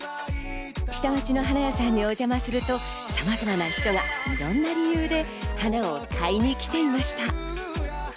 下町の花屋さんにお邪魔すると、さまざまな人がいろんな理由で花を買いに来ていました。